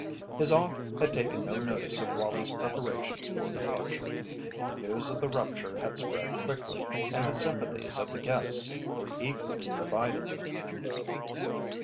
His aunt had taken no notice of Wallie's preparations for departure. The news of the rupture had spread quickly, and the sympathies of the guests were equally divided.